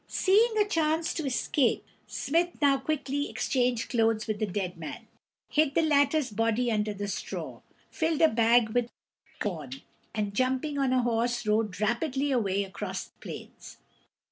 Seeing a chance to escape, Smith now quickly exchanged clothes with the dead man, hid the latter's body under the straw, filled a bag with corn, and jumping on a horse rode rapidly away across the plains.